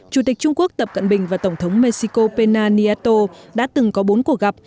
chủ tịch trung quốc tập cận bình và tổng thống mexico pena niato đã từng có bốn cuộc gặp